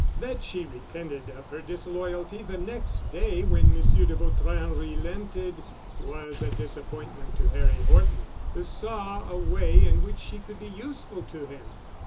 That she repented of her disloyalty the next day when Monsieur de Vautrin relented was a disappointment to Harry Horton, who saw a way in which she could be useful to him.